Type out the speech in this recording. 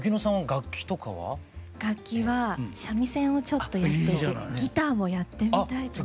楽器は三味線をちょっとやっててギターもやってみたいと思ってます。